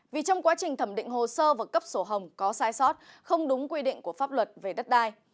vì trong quá trình thẩm định hồ sơ và cấp sổ hồng có sai sót không đúng quy định của pháp luật về đất đai